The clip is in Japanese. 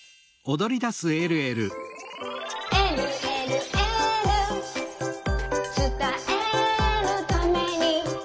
「えるえるエール」「つたえるために」